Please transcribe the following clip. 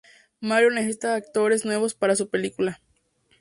Mario necesita actores nuevos para su película.